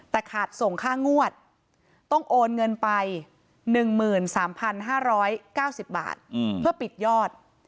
แต่ขาดส่งค่างวดต้องโอนเงินไป๑๓๕๙๐บาทเพื่อปิดยอด